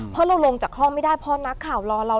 เพราะเราลงจากห้องไม่ได้เพราะนักข่าวรอเรา